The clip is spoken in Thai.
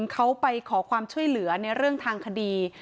เขาไปขอความช่วยเหลือในเรื่องทางคดี